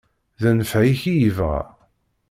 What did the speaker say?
D nfeɛ-ik i yebɣa.